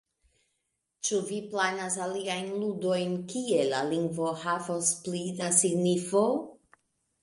Ĉu vi planas aliajn ludojn, kie la lingvo havos pli da signifo?